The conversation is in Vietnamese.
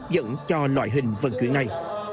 đoại hình vận chuyển này